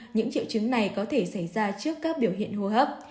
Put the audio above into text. những triệu chứng này có thể xảy ra trước các biểu hiện hô hấp